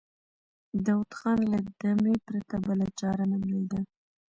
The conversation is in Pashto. داوود خان له دمې پرته بله چاره نه ليده.